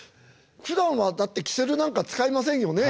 ふだんはだってきせるなんか使いませんよね。